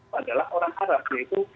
padahal orang arab